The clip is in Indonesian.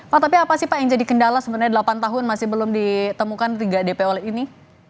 pak tapi apa sih pak yang jadi kendala sebenarnya delapan tahun masih belum ditemukan tiga dpo ini